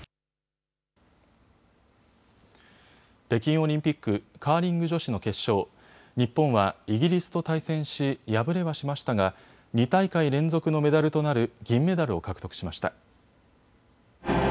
北京オリンピックカーリング女子の決勝、日本はイギリスと対戦し敗れはしましたが２大会連続のメダルとなる銀メダルを獲得しました。